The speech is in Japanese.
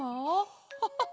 ハハハ